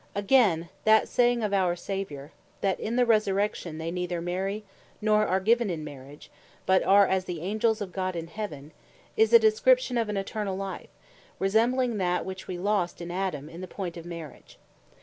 Again, that saying of our Saviour (Mat. 22.30.) "that in the Resurrection they neither marry, nor are given in marriage, but are as the Angels of God in heaven," is a description of an Eternall Life, resembling that which we lost in Adam in the point of Marriage.